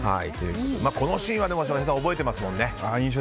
このシーンは翔平さん覚えてますもんね。